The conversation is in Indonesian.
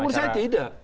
kalau menurut saya tidak